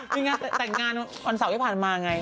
มีงานแต่งงานวันเสาร์ที่ผ่านมาไง